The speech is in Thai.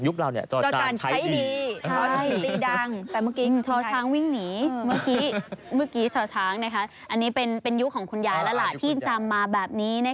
ยุคเรายังจอดจานใช้ดี